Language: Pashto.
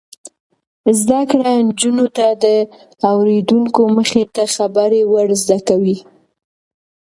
زده کړه نجونو ته د اوریدونکو مخې ته خبرې ور زده کوي.